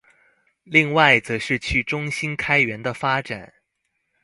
另外則是去中心開源的發展